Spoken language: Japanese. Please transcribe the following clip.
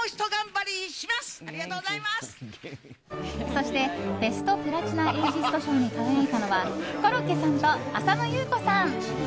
そしてベストプラチナエイジスト賞に輝いたのはコロッケさんと浅野ゆう子さん。